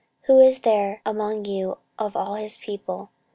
Who is there among you of all his people?